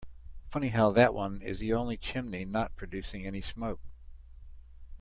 Funny how that one is the only chimney not producing any smoke.